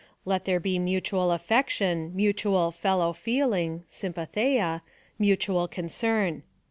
Let there be mutual afiection, mu tual fellow feeling, (a vfjiTrddeia,) mutual concern.